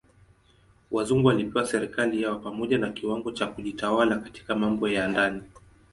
Wazungu walipewa serikali yao pamoja na kiwango cha kujitawala katika mambo ya ndani.